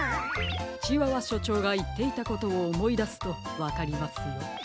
チワワしょちょうがいっていたことをおもいだすとわかりますよ。